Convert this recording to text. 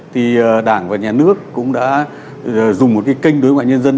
thì đảng và nhà nước cũng đã dùng một cái kênh đối ngoại nhân dân